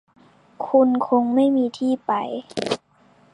คุณคงไม่มีที่ไป